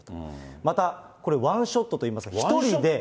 またこれ、１ショットといいますか、１人で。